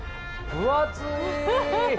分厚い！